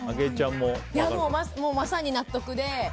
もうまさに納得で。